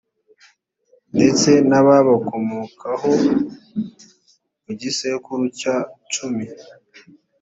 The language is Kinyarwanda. ndetse n’ababakomokaho mu gisekuru cya cumi.